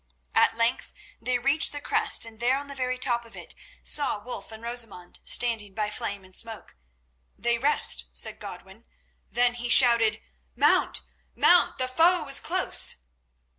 At length they reached the crest, and there, on the very top of it, saw Wulf and Rosamund standing by Flame and Smoke. "They rest," Godwin said, then he shouted, "Mount! mount! The foe is close."